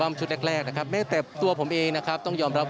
และก็มีการกินยาละลายริ่มเลือดแล้วก็ยาละลายขายมันมาเลยตลอดครับ